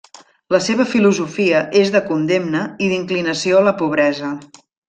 La seva filosofia és de condemna i d'inclinació a la pobresa.